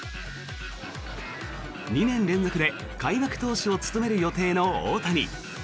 ２年連続で開幕投手を務める予定の大谷。